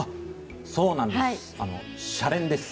そうなんです。